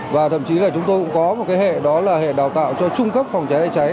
và thậm chí là chúng tôi cũng có một hệ đó là hệ đào tạo cho trung cấp phòng cháy cháy